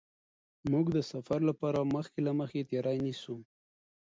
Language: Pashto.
موږ د سفر لپاره مخکې له مخکې تیاری نیسو.